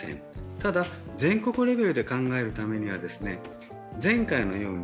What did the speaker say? ただ、全国レベルで考えるためには前回のように